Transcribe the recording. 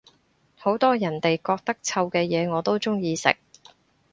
好多人哋覺得臭嘅嘢我都鍾意食